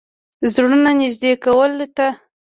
زړونو نېږدې کولو ته.